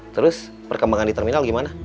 terus perkembangan di terminal gimana